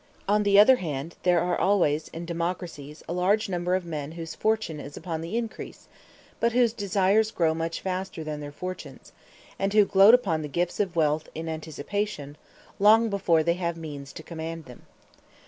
On the other hand, there are always in democracies a large number of men whose fortune is upon the increase, but whose desires grow much faster than their fortunes: and who gloat upon the gifts of wealth in anticipation, long before they have means to command them.